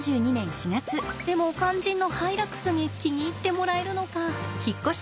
でも肝心のハイラックスに気に入ってもらえるのか。